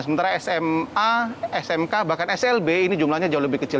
sementara sma smk bahkan slb ini jumlahnya jauh lebih kecil